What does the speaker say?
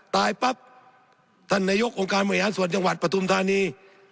ตายปั๊บท่านนายกองค์การบริหารส่วนจังหวัดปฐุมธานี